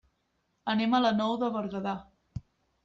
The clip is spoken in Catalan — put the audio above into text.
Anem a la Nou de Berguedà.